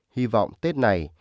hy vọng tết này